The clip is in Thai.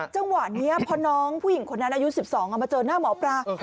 จังหวะนี้พอน้องผู้หญิงคนนั้นอายุ๑๒มาเจอหน้าหมอปลา